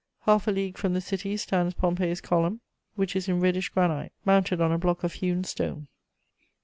Half a league from the city stands Pompey's Column, which is in reddish granite, mounted on a block of hewn stone."